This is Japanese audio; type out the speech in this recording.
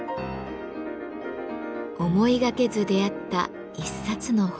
思いがけず出会った一冊の本。